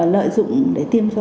lợi dụng để tiêm cho